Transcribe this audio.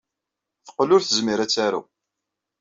Teqqel ur tezmir ad taru.